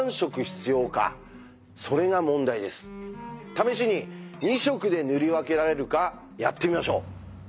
試しに２色で塗り分けられるかやってみましょう。